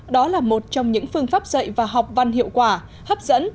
đó là một trong những phương pháp dạy và học văn hiệu quả hấp dẫn